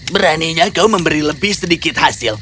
beraninya kau memberi lebih sedikit hasil